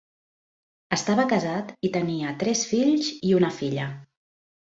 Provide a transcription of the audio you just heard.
Estava casat i tenia tres fills i una filla.